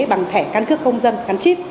bằng thẻ căn cước công dân gắn chip